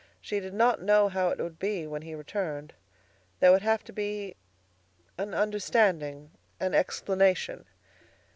She did not know how it would be when he returned. There would have to be an understanding, an explanation.